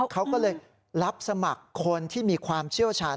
เขาก็เลยรับสมัครคนที่มีความเชี่ยวชาญ